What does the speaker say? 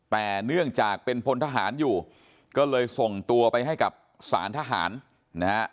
แต่เนื่องจากเป็นพลทหารอยู่ก็เลยส่งตัวไปให้กับสารทหารนะฮะ